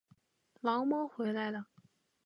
牢猫回来了